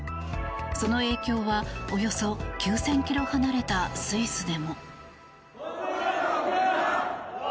その影響はおよそ９０００ｋｍ離れたスイスでも。